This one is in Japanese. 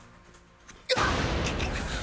うわっ！